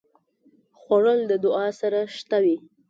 خوړل د دعا سره شته وي